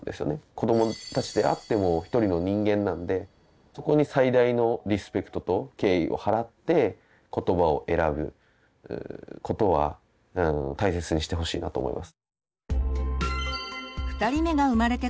子どもたちであっても一人の人間なんでそこに最大のリスペクトと敬意をはらって言葉を選ぶことは大切にしてほしいなと思います。